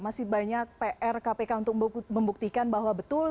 masih banyak pr kpk untuk membuktikan bahwa betul